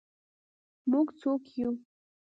موږ څوک یو؟